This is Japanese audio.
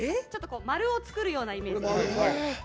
ちょっと丸を作るようなイメージ。